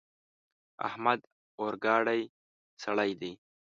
احمد اورګډی سړی دی.